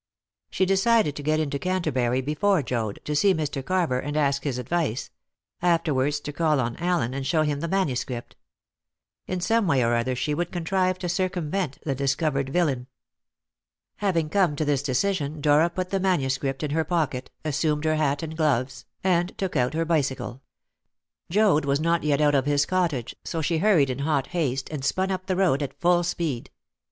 She decided to get into Canterbury before Joad, to see Mr. Carver and ask his advice; afterwards to call on Allen and show him the manuscript. In some way or other she would contrive to circumvent the discovered villain. Having come to this decision, Dora put the manuscript in her pocket, assumed her hat and gloves, and took out her bicycle. Joad was not yet out of his cottage, so she hurried in hot haste, and spun up the road at full speed.